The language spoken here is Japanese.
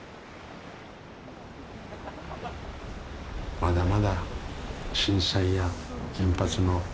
まだまだ震災や原発のあれはね